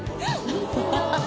ハハハハ。